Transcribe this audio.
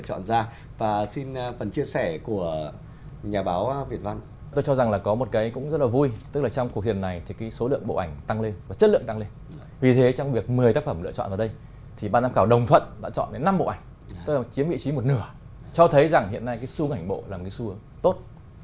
cho thấy rằng hiện nay cái xu hướng ảnh bộ là một cái xu hướng tốt